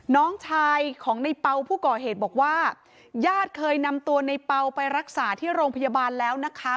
น้องชายของในเปล่าผู้ก่อเหตุบอกว่าญาติเคยนำตัวในเปล่าไปรักษาที่โรงพยาบาลแล้วนะคะ